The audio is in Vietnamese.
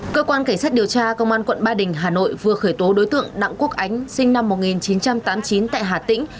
cơ quan cảnh sát điều tra công an quận ba đình hà nội vừa khởi tố đối tượng đặng quốc ánh sinh năm một nghìn chín trăm tám mươi chín tại hà tĩnh